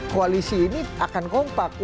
koalisi ini akan kompak